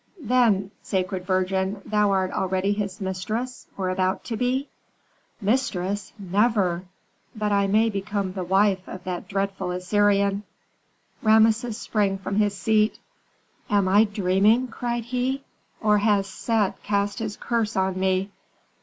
"Then, sacred virgin, thou art already his mistress, or about to be?" "Mistress? Never! But I may become the wife of that dreadful Assyrian." Rameses sprang from his seat. "Am I dreaming," cried he, "or has Set cast his curse on me?